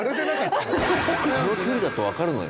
この距離だと分かるのよ。